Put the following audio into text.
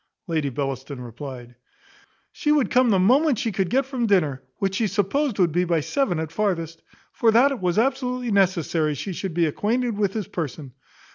Lady Bellaston replied, "She would come the moment she could get from dinner, which she supposed would be by seven at farthest; for that it was absolutely necessary she should be acquainted with his person.